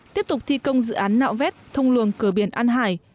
tiếp tục thi công dự án nạo vét thông luồng cửa biển an hải